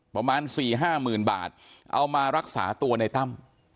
ประมาณสี่ห้าหมื่นบาทเอามารักษาตัวในตั้ม